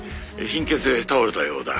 貧血で倒れたようだ」